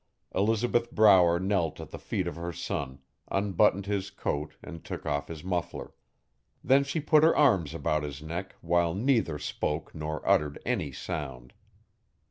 Elizabeth Brower knelt at the feet of her son, unbuttoned his coat and took off his muffler. Then she put her arms about his neck while neither spoke nor uttered any sound.